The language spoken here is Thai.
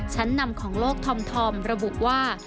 ชั้นนำของโลกธอมระบุว่า